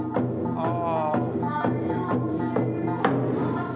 ああ。